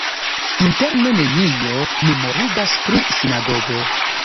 Interne nenio memorigas pri sinagogo.